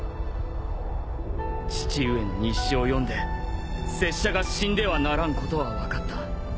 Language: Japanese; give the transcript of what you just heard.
父上の日誌を読んで拙者が死んではならんことは分かった。